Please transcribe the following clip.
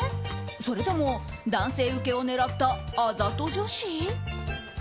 それとも男性受けを狙ったあざと女子？